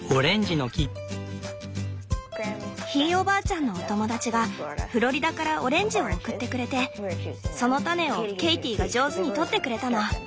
ひいおばあちゃんのお友達がフロリダからオレンジを送ってくれてその種をケイティが上手にとってくれたの。